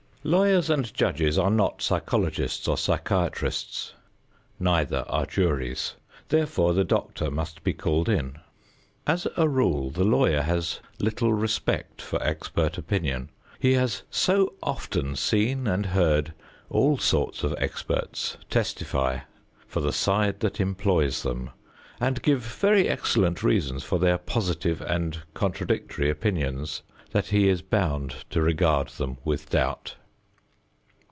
Lawyers and judges are not psychologists or psychiatrists, neither are juries. Therefore the doctor must be called in. As a rule, the lawyer has little respect for expert opinion. He has so often seen and heard all sorts of experts testify for the side that employs them and give very excellent reasons for their positive and contradictory opinions, that he is bound to regard them with doubt.